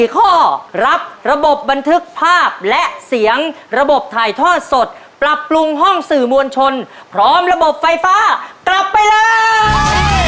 ๔ข้อรับระบบบันทึกภาพและเสียงระบบถ่ายทอดสดปรับปรุงห้องสื่อมวลชนพร้อมระบบไฟฟ้ากลับไปเลย